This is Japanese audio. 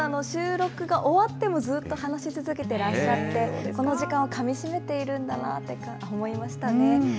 収録が終わっても、ずっと話続けてらっしゃって、この時間をかみしめているんだなと思いましたね。